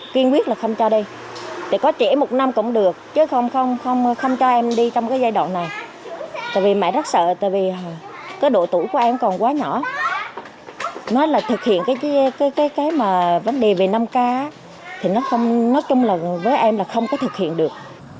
kiên quyết là không cho đi có trẻ một năm cũng được